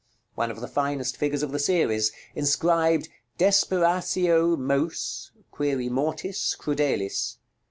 One of the finest figures of the series; inscribed "DESPERACIO MÔS (mortis?) CRUDELIS."